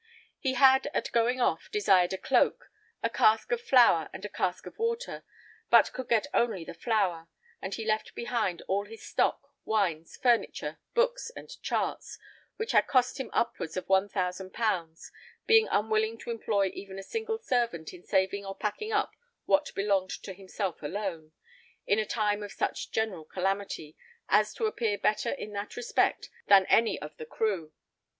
He had, at going off, desired a cloak, a cask of flour and a cask of water, but could get only the flour, and he left behind all his stock, wines, furniture, books and charts, which had cost him upwards of one thousand pounds, being unwilling to employ even a single servant in saving or packing up what belonged to himself alone, in a time of such general calamity, as to appear better in that respect than any of the crew.